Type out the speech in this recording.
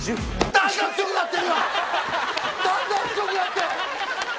だんだん強くなって！